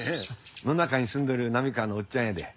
野中に住んどる波川のおっちゃんやで。